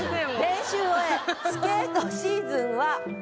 「練習終えスケートシーズンは」